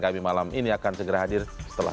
kami malam ini akan segera hadir setelah